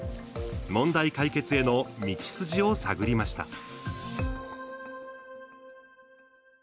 問題解決への道筋を探りました。